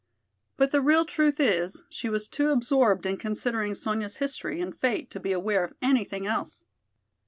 But the real truth is she was too absorbed in considering Sonya's history and fate to be aware of anything else.